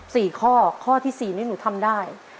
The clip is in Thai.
สี่ข้อข้อที่สี่นี่หนูทำได้